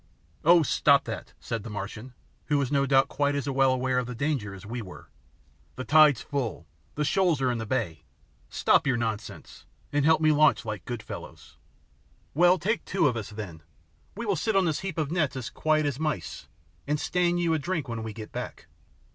"Oh, stop that," said the Martian, who was no doubt quite as well aware of the danger as we were. "The tide's full, the shoals are in the bay stop your nonsense, and help me launch like good fellows." "Well, take two of us, then. We will sit on this heap of nets as quiet as mice, and stand you a drink when we get back."